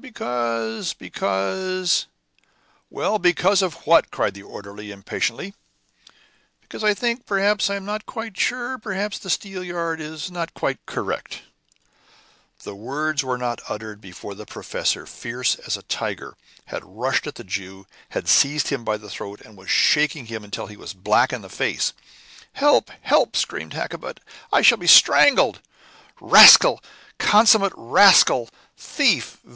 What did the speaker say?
"Because because " "Well, because of what?" cried the orderly, impatiently. "Because I think, perhaps I am not quite sure perhaps the steelyard is not quite correct." The words were not uttered before the professor, fierce as a tiger, had rushed at the Jew, had seized him by the throat, and was shaking him till he was black in the face. "Help! help!" screamed Hakkabut. "I shall be strangled." "Rascal! consummate rascal! thief!